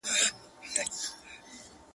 ماته زارۍ كوي چي پرېميږده ه ياره